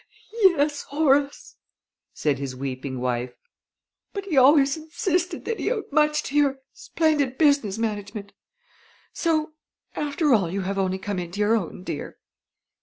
"Yes, Horace," said his weeping wife, "but he always insisted that he owed much to your splendid business management; so, after all, you have only come into your own, dear."